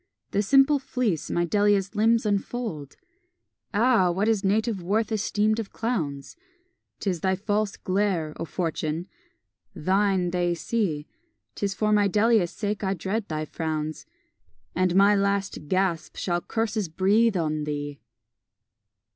The simple fleece my Delia's limbs infold! Ah! what is native worth esteemed of clowns? 'Tis thy false glare, O Fortune! thine they see; Tis for my Delia's sake I dread thy frowns, And my last gasp shall curses breathe on thee!